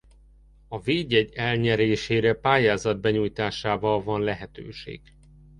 A védjegy elnyerésére pályázat benyújtásával van lehetőség.